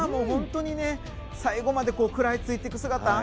本当に最後まで食らいついていく姿。